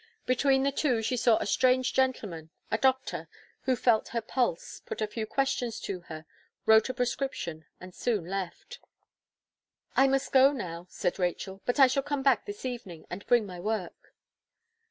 Between the two, she saw a strange gentleman, a doctor, who felt her pulse, put a few questions to her, wrote a prescription, and soon left. "I must go now," said Rachel, "but I shall come back this evening, and bring my work."